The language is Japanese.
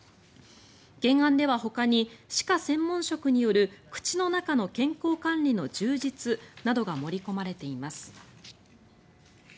原案ではほかに歯科専門職による口の中の健康管理の充実などが盛り込まれています。